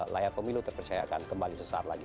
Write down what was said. layar pemilu terpercayakan kembali sesaat lagi